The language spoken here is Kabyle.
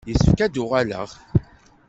Yessefk ad d-uɣaleɣ.